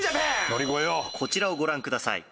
「こちらをご覧ください」